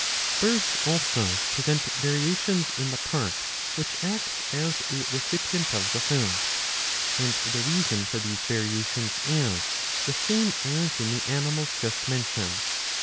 "" Birds also present variations in the part which acts as a recipient 674b. «8 ill. 14. • of the food ; and the reason for these variations is the same as in the animals just mentioned.